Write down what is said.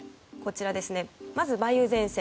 まず梅雨前線